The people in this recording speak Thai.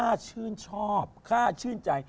ค่าชื่นชอบค่าชื่นใจ